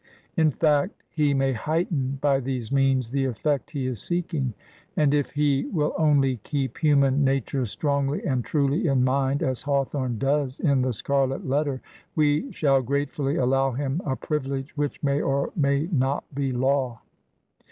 In fact, he may heighten by these means the eflfect he is seeking ; and if he will only keep human nature strongly and truly in mind, as Hawthorne does in " The Scarlet Letter," we shall gratefully allow him a privilege which may or may not be law.